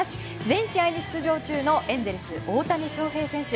全試合に出場中のエンゼルス、大谷翔平選手。